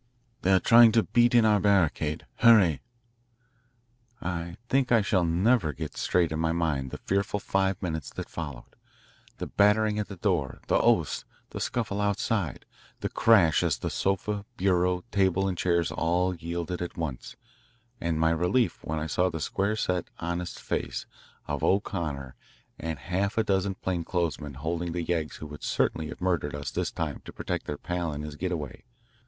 They are trying to beat in our barricade. Hurry." I think I shall never get straight in my mind the fearful five minutes that followed, the battering at the door, the oaths, the scuffle outside, the crash as the sofa, bureau, table, and chairs all yielded at once and my relief when I saw the square set, honest face of O'Connor and half a dozen plain clothes men holding the yeggs who would certainly have murdered us this time to protect their pal in his getaway.